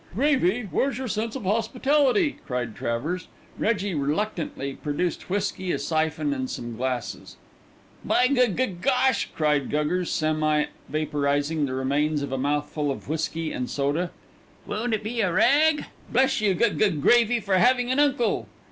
"Gravy, where's your sense of hospitality?" cried Travers. Reggie reluctantly produced whisky, a syphon, and some glasses. "By gug gug gosh!" cried Guggers, semi vapourising the remains of a mouthful of whisky and soda, "won't it be a rag! Bless you, Gug Gug Gravy for having an uncle."